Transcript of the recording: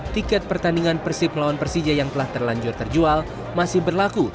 tiket pertandingan persib melawan persija yang telah terlanjur terjual masih berlaku